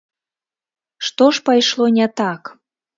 Што ж пайшло не так?